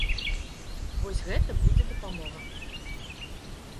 Вось гэта будзе дапамога.